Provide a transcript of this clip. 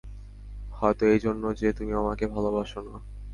হয়তো এইজন্য যে তুমি আমাকে ভালোবাসো না।